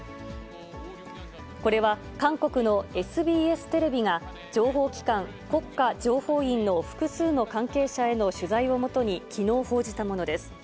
これは、韓国のＳＢＳテレビが、情報機関、国家情報院の複数の関係者への取材をもとに、きのう報じたものです。